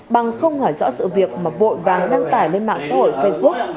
bằng không hỏi rõ sự việc mà vội vàng đăng tải lên mạng xã hội facebook